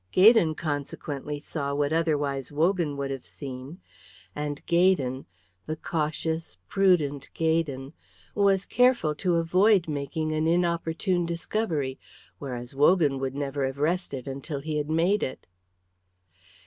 Gaydon consequently saw what otherwise Wogan would have seen; and Gaydon, the cautious, prudent Gaydon, was careful to avoid making an inopportune discovery, whereas Wogan would never have rested until he had made it.